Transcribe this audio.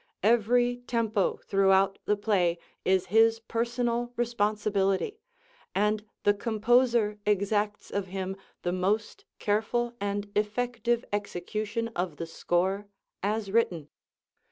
Every tempo throughout the play is his personal responsibility, and the composer exacts of him the most careful and effective execution of the score as written.